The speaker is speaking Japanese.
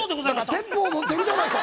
鉄砲持ってるじゃないか！